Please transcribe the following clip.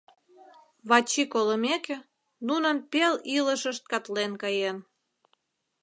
Вачи колымеке, нунын пел илышышт катлен каен.